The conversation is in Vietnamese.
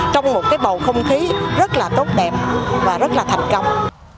trong một cái bầu không khí rất là tốt đẹp và rất là thành công